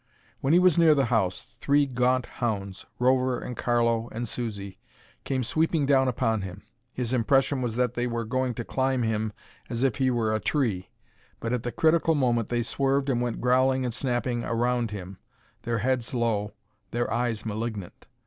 When he was near the house, three gaunt hounds, Rover and Carlo and Susie, came sweeping down upon him. His impression was that they were going to climb him as if he were a tree, but at the critical moment they swerved and went growling and snapping around him, their heads low, their eyes malignant.